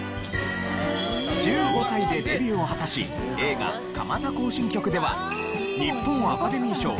１５歳でデビューを果たし映画『蒲田行進曲』では日本アカデミー賞最優秀主演女優賞を受賞。